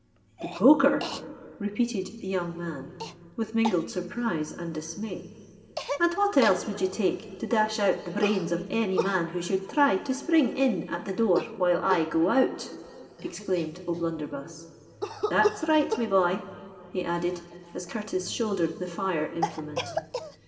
"The poker!" repealed the young man, with mingled surprise and dismay. "And what else would ye take to dash out the brains of any man who should thry to spring in at the door while I go out!" exclaimed O'Blunderbuss. "That's right, me boy," he added, as Curtis shouldered the fire implement.